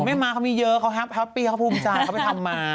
ม้าเขามีเยอะเขาแฮปปี้เขาภูมิใจเขาไปทำมา